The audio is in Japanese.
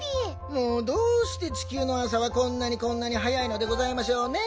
もうどうしてちきゅうのあさはこんなにこんなに早いのでございましょうね。